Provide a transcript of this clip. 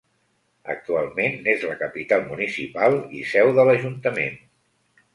Actualment n'és la capital municipal i seu de l'ajuntament.